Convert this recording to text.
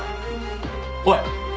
おい。